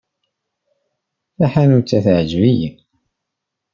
Taḥanut-a teɛjeb-iyi.